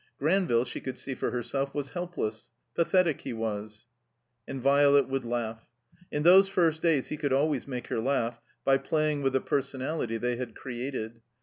Granville, she could see for herself, was helpless — ^pathetic he was. And Violet would laugh. In those first days he could always make her laugh by playing with the personality they had created.